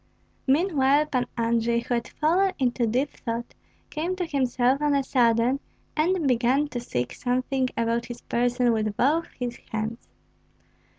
Meanwhile Pan Andrei, who had fallen into deep thought, came to himself on a sudden, and began to seek something about his person with both his hands.